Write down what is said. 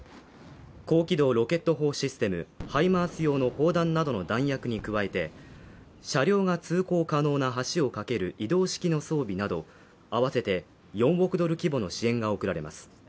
高機動ロケット砲システム＝ハイマース用の砲弾などの弾薬に加えて、車両が通行可能な橋を架ける移動式の装備など合わせて４億ドル規模の支援が送られます。